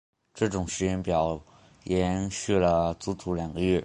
这种时间表延续了足足两个月。